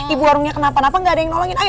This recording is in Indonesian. ibu warungnya kenapa napa gak ada yang nolongin